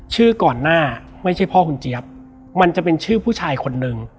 ชื่อก่อนหน้าไม่ใช่พ่อคุณเจี๊ยบมันจะเป็นชื่อผู้ชายคนนึง